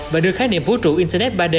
và đưa khái niệm vũ trụ internet ba d